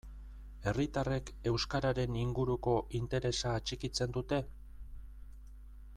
Herritarrek euskararen inguruko interesa atxikitzen dute?